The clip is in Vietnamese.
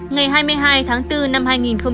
ngày hai mươi hai tháng bốn năm hai nghìn một mươi sáu